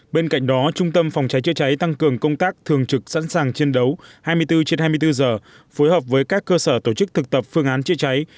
bên cạnh đó trung tâm phòng cháy chữa cháy tăng cường công tác thường trực sẵn sàng chiến đấu hai mươi bốn trên hai mươi bốn giờ phối hợp với các cơ sở tổ chức thực tập phương án chữa cháy